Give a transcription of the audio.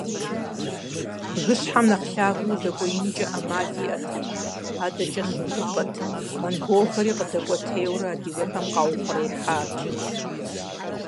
Бгыщхьэм нэхъ лъагэу удэкӏуеинкӏэ ӏэмал иӏэтэкъым, адэкӏэ щыхупӏэт, монголхэри къыдэкӏуэтейуэрэ, адыгэхэм къаухъуреихьат.